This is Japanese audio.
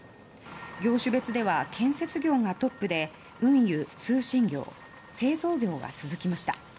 業種別では建設業がトップで運輸・通信業製造業が続きました。